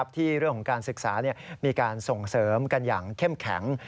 ที่เรื่องของการศึกษามีการส่งเสริมกันอย่างเข้มแข็ง